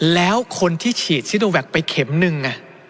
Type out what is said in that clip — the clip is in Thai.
แล้วคนที่ฉีดซิโนแวคไปเข็มนึง